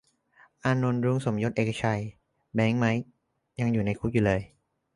"อานนท์ รุ้ง สมยศ เอกชัย แบงค์ ไมค์ ยังอยู่ในคุกอยู่เลย"